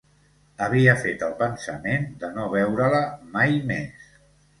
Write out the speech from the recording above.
Havia fet el pensament de no veure-la mai més.